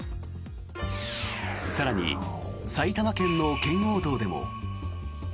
更に、埼玉県の圏央道でも。